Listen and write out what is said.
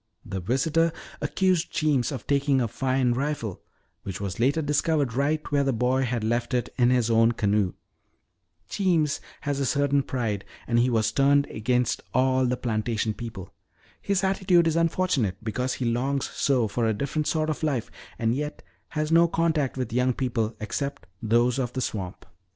The visitor accused Jeems of taking a fine rifle which was later discovered right where the boy had left it in his own canoe. Jeems has a certain pride and he was turned against all the plantation people. His attitude is unfortunate because he longs so for a different sort of life and yet has no contact with young people except those of the swamp.